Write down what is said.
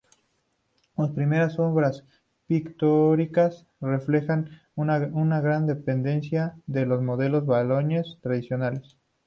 Sus primeras obras pictóricas reflejan una gran dependencia de los modelos boloñeses tradicionales.